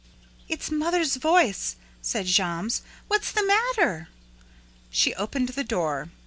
"It's mother's voice," said Jammes. "What's the matter?" She opened the door.